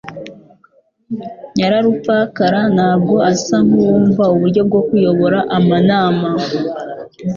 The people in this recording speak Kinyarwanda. Nyararupfakara ntabwo asa nkuwumva uburyo bwo kuyobora amanama.